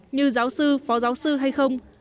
như giáo sư phó giáo sư hay không